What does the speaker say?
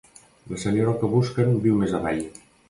La senyora que busquen viu més avall.